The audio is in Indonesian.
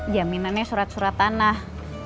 jaminannya surat surat tanah